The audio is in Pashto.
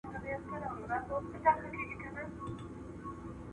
قمري د خپلې ځالۍ لپاره مناسب ځای وموند.